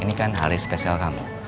ini kan hari spesial kamu